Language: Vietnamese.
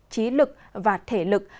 chí lực và thể lực